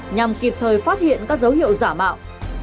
nhằm kịp thời phát hiện các dấu hiệu giả mạo